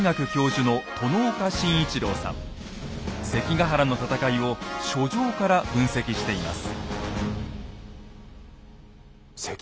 関ヶ原の戦いを書状から分析しています。